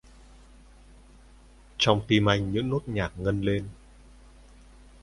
Trong tim anh những nốt nhạc ngân lên